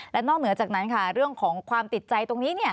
และนอกเหนือจากนั้นค่ะเรื่องของความติดใจตรงนี้